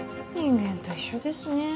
人間と一緒ですね。